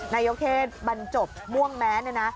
นายกเทศบรรจบม่วงแม้เนี่ยนะ